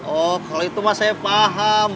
oh kalau itu mas saya paham